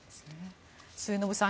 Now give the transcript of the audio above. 末延さん